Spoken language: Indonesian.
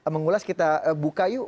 mengulas kita buka yuk